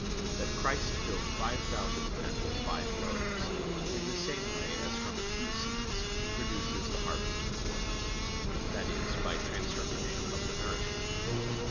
that "Christ filled five thousand men with five loaves, in the same way as from a few seeds He produces the harvest of corn" that is, by transformation of the nourishment.